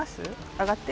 上がって。